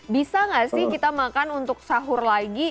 bisa nggak sih kita makan untuk sahur lagi